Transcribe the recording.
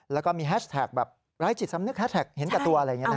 แล้วก็มีแฮชแท็กแบบร้ายจิตสำนึกแท็กเห็นแก่ตัวอะไรอย่างนี้นะฮะ